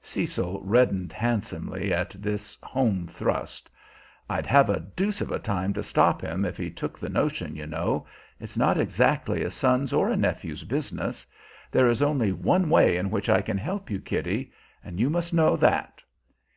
Cecil reddened handsomely at this home thrust. "I'd have a deuce of a time to stop him if he took the notion, you know; it's not exactly a son's or a nephew's business. There is only one way in which I can help you, Kitty. You must know that."